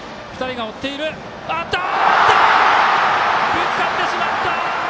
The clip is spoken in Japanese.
ぶつかってしまった！